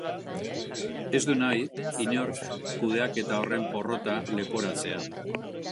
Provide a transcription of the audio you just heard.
Ez du nahi inork kudeaketa horren porrota leporatzea.